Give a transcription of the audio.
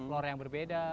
floor yang berbeda